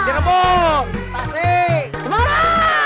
cirebon tasik semarang